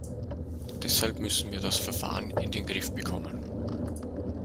Deshalb müssen wir das Verfahren in den Griff bekommen.